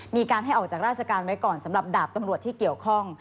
มีการให้ออกจากราชการไว้ก่อนสำหรับดาบตำรวจที่เกี่ยวข้อง